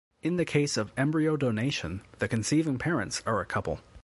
In the case of embryo donation, the conceiving parents are a couple.